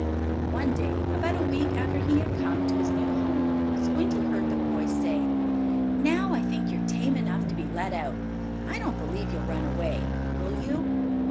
One day, about a week after he had come to his new home, Squinty heard the boy say: "Now I think you are tame enough to be let out. I don't believe you will run away, will you?